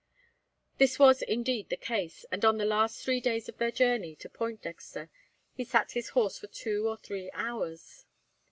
This was indeed the case, and on the last three days of their journey to Pointdexter, he sat his horse for two or three hours.